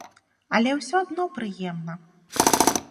Але ўсё адно прыемна!